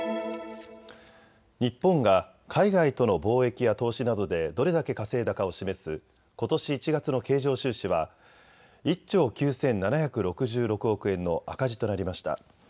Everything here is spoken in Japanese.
日本が海外との貿易や投資などでどれだけ稼いだかを示すことし１月の経常収支は１兆９７６６億円の赤字となりました。